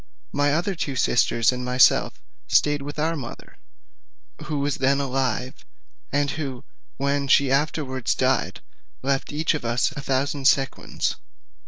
My other two sisters and myself stayed with our mother, who was then alive, and who when she afterwards died left each of us a thousand sequins.